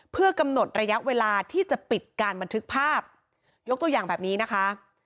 เพื่อกำหนดระยะเวลาที่จะปิดการบันทึกภาพยกตัวอย่างแบบนี้นะคะ